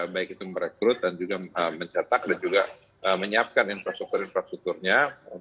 baik itu merekrut dan juga mencetak dan juga menyiapkan infrastruktur infrastrukturnya